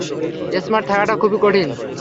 Smart থাকাটা খুবই কঠিন।